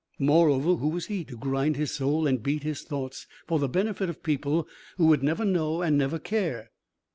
Moreover, who was he to grind his soul and beat his thoughts for the benefit of people who would never know and never care?